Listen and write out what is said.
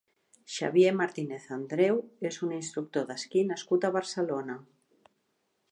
Xavier Martínez Andreu és un instructor d'esquí nascut a Barcelona.